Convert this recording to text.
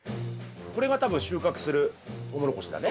これが多分収穫するトウモロコシだね。